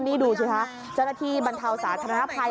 นี่ดูสิคะเจ้าหน้าที่บรรเทาสาธารณภัย